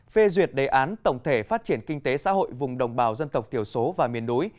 phê duyệt đề án tổng thể phát triển kinh tế xã hội vùng đồng bào dân tộc thiểu số và miền núi